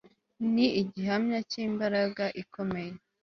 ni igihamya cyimbaraga ikomeye